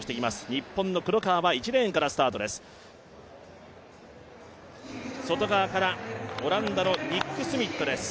日本の黒川は１レーンからスタートです。